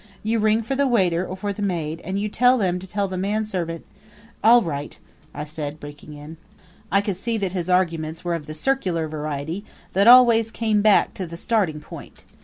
You ring for the waiter or for the maid, and you tell them to tell the manservant " "All right," I said, breaking in. I could see that his arguments were of the circular variety that always came back to the starting point.